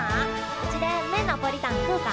うちでんめえナポリタン食うか？